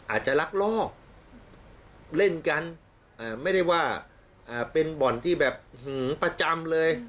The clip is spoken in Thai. อาจจะลักลอบเล่นกันไม่ได้ว่าเป็นบ่อนที่แบบประจำเลย